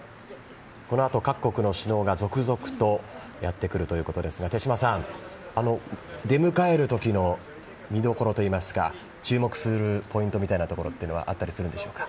このあと各国の首脳が続々とやってくるということですが手嶋さん、出迎える時の見どころといいますか注目するポイントはあったりするんでしょうか。